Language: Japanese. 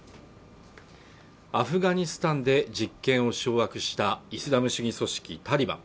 アフガニスタンで実権を掌握したイスラム主義組織タリバン